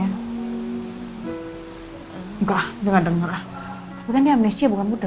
enggak jangan denger lah tapi kan dia amnesia bukan muda